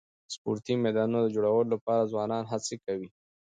د سپورټي میدانونو د جوړولو لپاره ځوانان هڅي کوي.